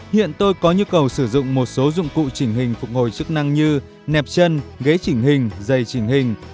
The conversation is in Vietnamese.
hiện tôi có nhu cầu sử dụng một số dụng cụ trình hình phục hồi chức năng như nẹp chân ghế trình hình dây trình hình